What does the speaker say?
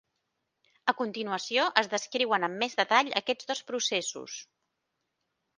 A continuació, es descriuen amb més detall aquests dos processos.